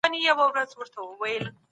کينه او حسد د ټولني د بربادۍ سبب ګرځي.